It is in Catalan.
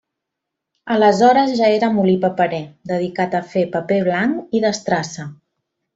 Aleshores ja era molí paperer, dedicat a fer paper blanc i d'estrassa.